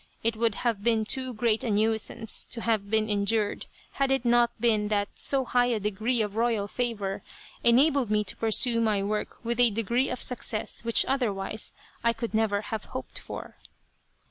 It would have been too great a nuisance to have been endured, had it not been that so high a degree of royal favor enabled me to pursue my work with a degree of success which otherwise I could never have hoped for.